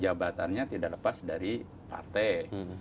jabatannya tidak lepas dari partai